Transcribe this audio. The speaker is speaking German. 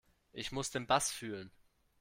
Ich muss den Bass fühlen.